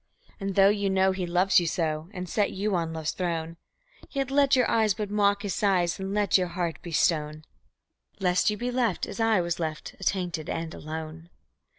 And though you know he love you so and set you on love's throne; Yet let your eyes but mock his sighs, and let your heart be stone, Lest you be left (as I was left) attainted and alone.